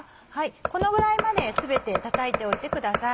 このぐらいまで全てたたいておいてください。